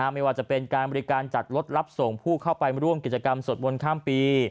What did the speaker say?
ไม่ว่าจะเป็นการบริการจัดรถรับส่งผู้เข้าไปร่วมกิจกรรมสวดมนต์ข้ามปี